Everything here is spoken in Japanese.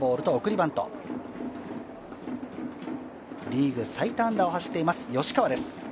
リーグ最多安打を走っています吉川です。